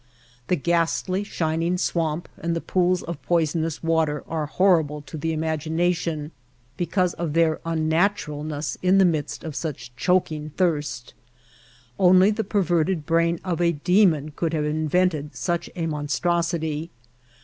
The ghastly, shining swamp and the pools of. poisonous water are horrible to the imagination because of their unnaturalness in the midst of such choking thirst. Only the perverted brain of a demon could have invented such a mon strosity.